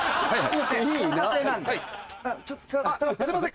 すいません。